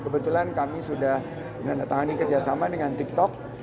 kebetulan kami sudah menandatangani kerjasama dengan tiktok